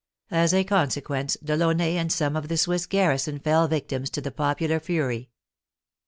As a consequence, Delaunay and some of the Swiss garrison fell victims to the popular fury.